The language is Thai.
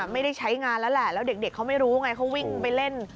ไม่ได้ใช้งานแล้วแหละแล้วเด็กเขาไม่รู้ไงเขาวิ่งไปเล่น